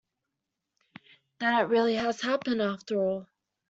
Then it really has happened, after all!